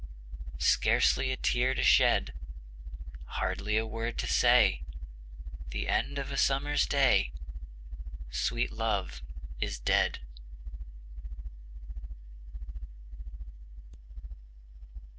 Scarcely a tear to shed; Hardly a word to say; The end of a summer's day; Sweet Love is dead.